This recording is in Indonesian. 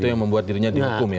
itu yang membuat dirinya dihukum ya